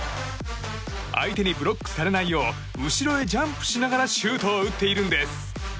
相手にブロックされないよう後ろへジャンプしながらシュートを打っているんです。